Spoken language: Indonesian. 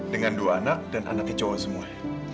dengan dua anak dan anaknya cowok semua